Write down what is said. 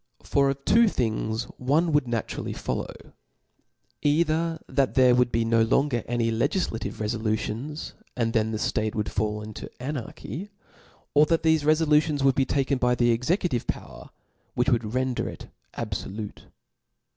For of two things one wouW na turally follow, either that there would be no lon ger any legiflative refolutions, and then the flate would fall into anarchy •, or that thefe refolutions would be taken by the executive power, which would render it abfolute.